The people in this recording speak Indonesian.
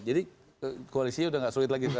jadi koalisinya udah nggak sulit lagi